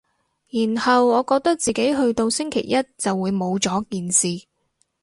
然後我覺得自己去到星期一就會冇咗件事